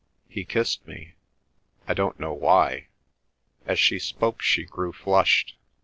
He kissed me. I don't know why." As she spoke she grew flushed.